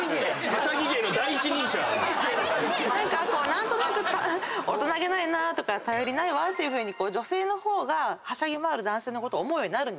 何となく大人げないなとか頼りないわっていうふうに女性の方がはしゃぎ回る男性を思うようになるんですよ。